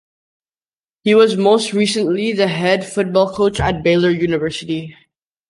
He was most recently the head football coach at Baylor University.